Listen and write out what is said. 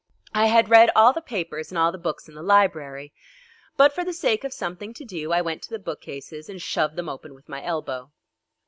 I had read all the papers and all the books in the library, but for the sake of something to do I went to the bookcases and shoved them open with my elbow.